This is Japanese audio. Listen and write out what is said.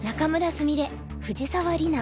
菫藤沢里菜